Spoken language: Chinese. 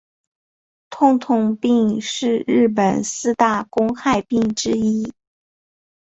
痛痛病是日本四大公害病之一。